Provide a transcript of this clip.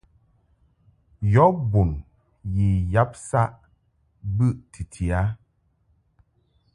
Yɔ bun yi yab saʼ bɨʼ titi a.